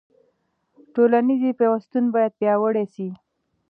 ټولنیز پیوستون باید پیاوړی سي.